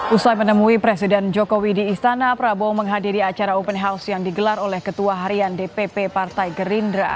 usai menemui presiden jokowi di istana prabowo menghadiri acara open house yang digelar oleh ketua harian dpp partai gerindra